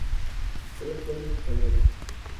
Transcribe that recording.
Tres cuentos españoles